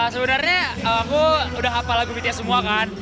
sebenarnya aku udah hafal lagu media semua kan